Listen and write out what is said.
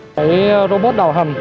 cái robot đảo hầm